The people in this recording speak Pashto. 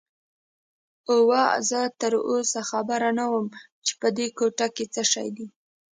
اوه، زه تراوسه خبر نه وم چې په دې کوټه کې څه شی دي.